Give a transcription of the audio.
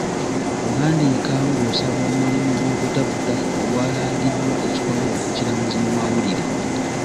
Wandiika ng'osaba omulimu gw'obutaputa ogwalangiddwa ekitongole ekiramuzi mu mawulire.